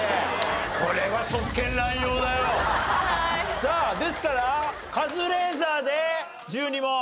さあですからカズレーザーで１２問。